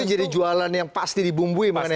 itu jadi jualan yang pasti dibumbui